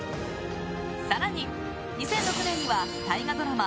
更に２００６年には大河ドラマ